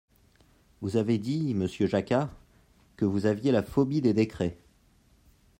Vous avez dit, monsieur Jacquat, que vous aviez la phobie des décrets.